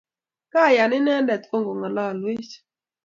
Kiyaan inendet kongalalwech